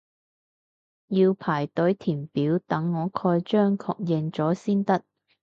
要排隊填表等我蓋章確認咗先得